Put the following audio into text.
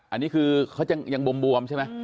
อันนี้คือเขายังบวมใช่ไหม